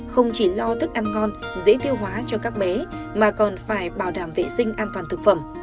không chỉ lo thức ăn ngon dễ tiêu hóa cho các bé mà còn phải bảo đảm vệ sinh an toàn thực phẩm